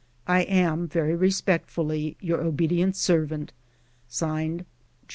" I am, very respectfully, your obedient servant, (Signed) "Geo.